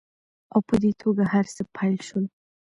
او په دې توګه هرڅه پیل شول